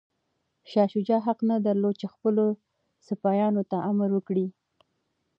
شاه شجاع حق نه درلود چي خپلو سپایانو ته امر وکړي.